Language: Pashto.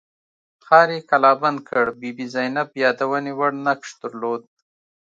ښار یې کلابند کړ بي بي زینب یادونې وړ نقش درلود.